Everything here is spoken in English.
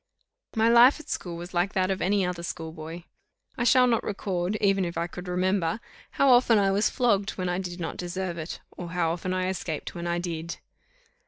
My life at school was like that of any other school boy. I shall not record, even if I could remember, how often I was flogged when I did not deserve it, or how often I escaped when I did.